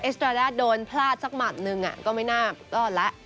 สตราด้าโดนพลาดสักหมัดนึงก็ไม่น่ารอดแล้ว